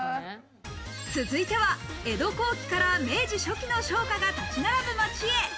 続いては江戸後期から明治初期の商家が立ち並ぶ街へ。